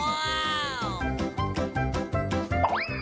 ว้าว